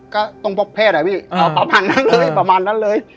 ก็ตรงพบแพทย์อะพี่ประมาณนั้นเลยประมาณนั้นเลย